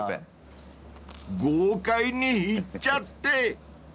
［豪快にいっちゃって］